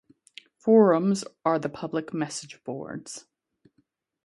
Forums are the public message boards.